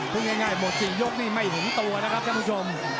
พูดง่ายหมด๔ยกนี่ไม่เห็นตัวนะครับท่านผู้ชม